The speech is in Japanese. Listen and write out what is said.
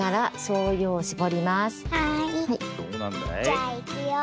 じゃあいくよ。